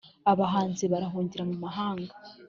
abahanzi barahungira mu mahanga